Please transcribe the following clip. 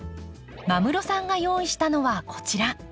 間室さんが用意したのはこちら。